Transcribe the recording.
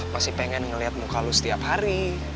masih pengen ngeliat muka lu setiap hari